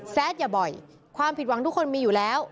แซดอย่าบ่อยความผิดหวังทุกคนมีอยู่แล้ว